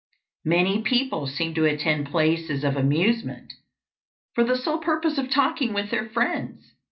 Many people seem to attend places of amusement for the sole purpose of talking with their friends.